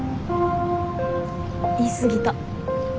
言い過ぎた。